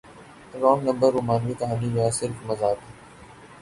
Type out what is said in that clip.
wrong number رومانوی کہانی یا صرف مذاق